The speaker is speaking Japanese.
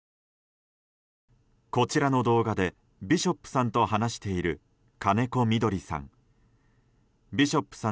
こちらの動画でビショップさんと話している金子みどりさん。